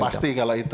oh ya pasti kalau itu